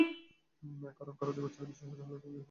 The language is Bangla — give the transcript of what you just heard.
কারণ, কারও দুই বছরের বেশি সাজা হলে তিনি নির্বাচনে অযোগ্য হবেন।